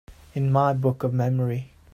In my book of memory